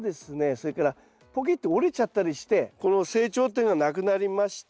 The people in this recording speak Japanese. それからポキッて折れちゃったりしてこの成長点がなくなりました。